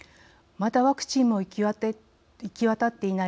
まだワクチンも行き渡っていない